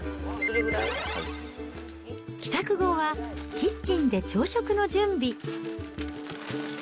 帰宅後は、キッチンで朝食の準備。